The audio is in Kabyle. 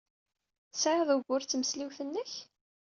Tesɛid ugur d tmesliwt-nnek?